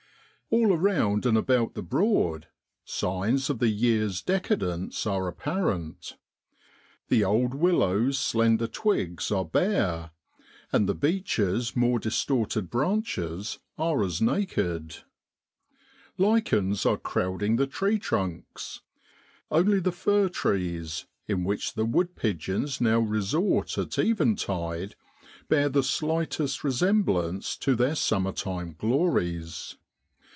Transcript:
All around and about the Broad signs of the year's decadence are apparent. The old willow's slender twigs are bare, and the beeches' more distorted branches are as naked. Lichens are crowding the tree trunks; only the fir trees, in which the wood pigeons now resort at eventide, bear the slightest resemblance to their summertime glories.